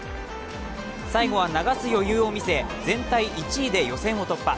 最後は流す余裕を見せ、全体１位で予選を突破。